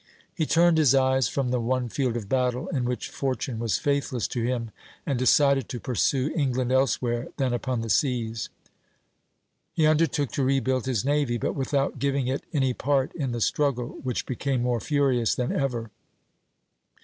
He turned his eyes from the one field of battle in which fortune was faithless to him, and decided to pursue England elsewhere than upon the seas; he undertook to rebuild his navy, but without giving it any part in the struggle which became more furious than ever....